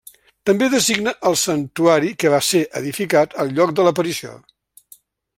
També designa el santuari que va ser edificat al lloc de l'aparició.